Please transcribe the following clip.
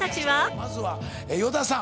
まずは与田さん。